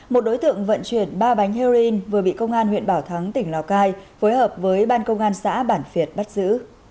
một đối tượng vận chuyển ba bánh heroin vừa bị công an huyện bảo thắng tỉnh lào cai phối hợp với ban công an xã bản việt bắt giữ